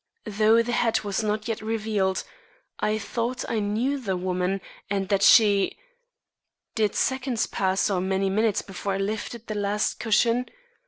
Though the head was not yet revealed, I thought I knew the woman and that she Did seconds pass or many minutes before I lifted that last cushion?